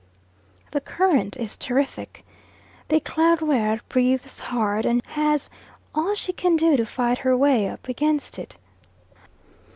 The current is terrific. The Eclaireur breathes hard, and has all she can do to fight her way up against it.